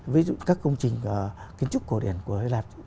ví dụ các công trình kiến trúc cổ điển của hy lạp